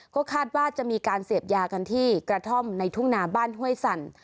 ก็คาดว่าจะมีการเสพยากันที่กระท่อมในทุ่งนาบ้านห้วยสั่น